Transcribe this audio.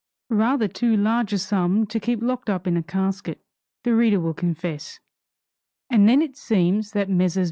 Rather too large a sum to keep locked up in a casket, the reader will confess! And then it seems that Messrs.